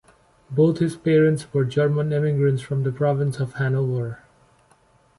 Both his parents were German immigrants from the province of Hanover.